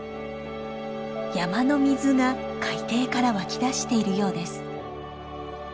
山の水が海底から湧き出しているようです。